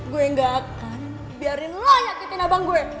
gue gak akan biarin lo yaketin abang gue